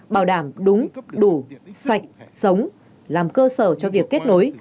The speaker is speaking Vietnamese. bảo đảm đúng đủ sạch sống làm cơ sở cho việc kết nối